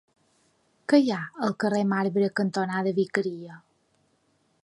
Què hi ha al carrer Marbre cantonada Vicaria?